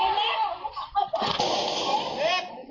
น่าจะกลับไป